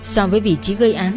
so với vị trí gây án